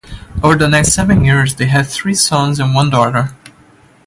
Over the next seven years they had three sons and one daughter.